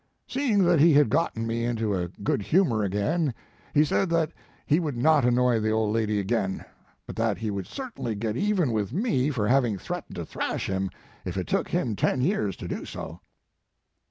"Seeing that he had gotten me into a good humor again he said that he would not annoy the old woman again, but that he would certainly get even with me for having threatened to thrash him if it took him ten years to do so."